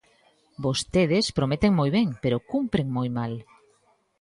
Vostedes prometen moi ben, pero cumpren moi mal.